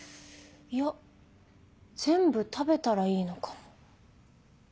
いや全部食べたらいいのかも。